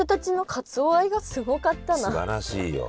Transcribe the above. すばらしいよ。